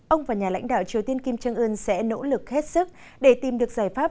ông và nhà lãnh đạo triều tiên kim jong un sẽ nỗ lực hết sức để tìm được giải pháp